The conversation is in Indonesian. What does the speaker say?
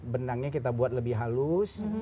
benangnya kita buat lebih halus